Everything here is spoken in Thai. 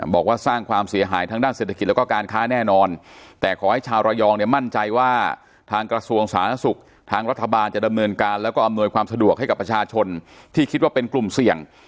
บอกว่าสร้างความเสียหายทางด้านเศรษฐกิจแล้วก็การค้าแน่นอนแต่ขอให้ชาวระยองเนี่ยมั่นใจว่าทางกระทรวงสาธารณสุขทางรัฐบาลจะดำเนินการแล้วก็อำนวยความสะดวกให้กับประชาชนที่คิดว่าเป็นกลุ่มเสี่ยง